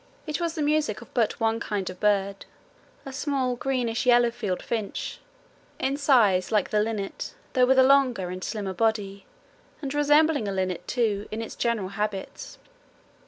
It was the music of but one kind of bird, a small greenish yellow field finch, in size like the linnet though with a longer and slimmer body, and resembling a linnet too in its general habits.